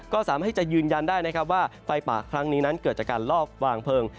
ก็สามารถที่จะยืนยันได้นะครับว่าไฟป่าครั้งนี้นั้นเกิดจากการลอบวางเพลิง